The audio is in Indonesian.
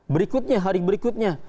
berikutnya hari berikutnya